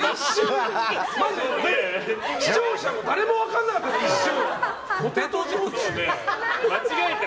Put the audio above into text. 視聴者も誰も分からなかった、一瞬。